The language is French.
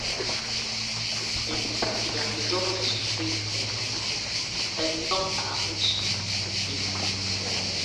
La porte de la maison s'ouvrit bruyamment, un homme parut sur le perron.